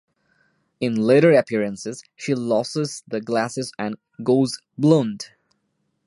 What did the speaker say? In later appearances she loses the glasses and goes blonde.